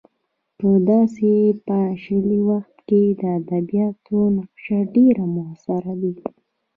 په داسې پاشلي وخت کې د ادبیاتو نقش ډېر موثر دی.